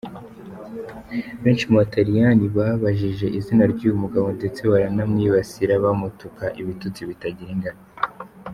Benshi mu bataliyani babajije izina ry’uyu mugabo ndetse baramwibasira, bamutuka ibitutsi bitagira ingano.